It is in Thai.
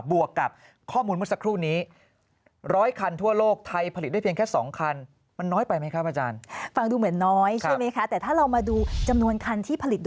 บวกกับข้อมูลเมื่อสักครู่นี้